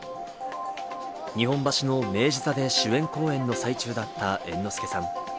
日本橋の明治座で主演公演の最中だった猿之助さん。